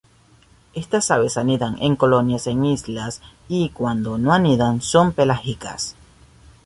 Estas aves anidan en colonias en islas y cuando no anidan son pelágicas.